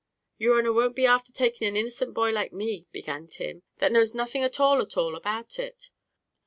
"Yer honer won't be afther taking an innocent boy like me," began Tim, "that knows nothing at all at all about it.